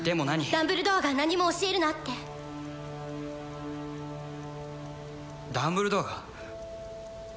ダンブルドアが何も教えるなってダンブルドアが？